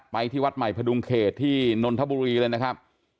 ที่วัดใหม่พดุงเขตที่นนทบุรีเลยนะครับ